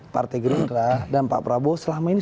partai gerindra dan pak prabowo selama ini